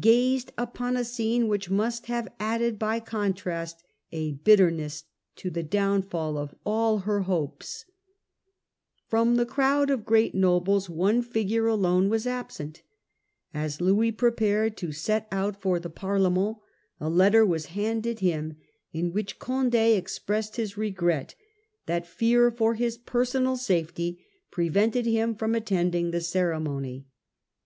gazed upon a scene which must have added by contrast a bitterness to the downfall of all her hopes. From the 1651. Condi at Bordeaux. 63 crowd of great nobles one figure alone was absent. As Louis prepared to set out for the Parlement a letter was handed him, in which Condd expressed his regret that fear for his personal safety prevented him from attending the ceremony.